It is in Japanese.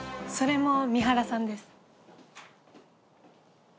それも三原さんです。